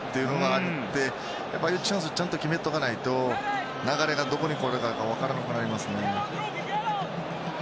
ああいうチャンスはちゃんと決めておかないと流れがどこに転ぶか分からなくなりますからね。